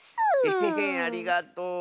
エヘヘありがとう。